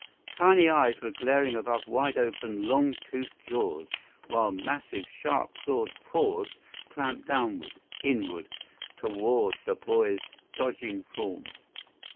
Tiny eyes were glaring above wide open, long toothed jaws, while massive, sharp clawed paws clamped downward, inward, toward the boy's dodging form.